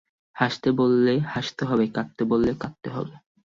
হাসতে বললে হাসতে হবে, কাঁদতে বললে কাঁদতে হবে।